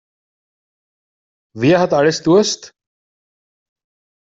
Wer hat alles Durst?